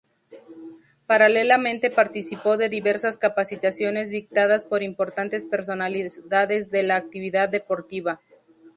Paralelamente participó de diversas capacitaciones dictadas por importantes personalidades de la actividad deportiva.